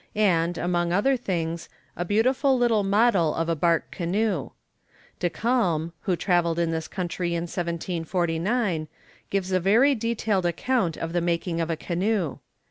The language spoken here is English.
and, among other things, a beautiful little model of a bark canoe. De Kalm, who travelled in this country in 1749, gives a very detailed account of the making of a canoe.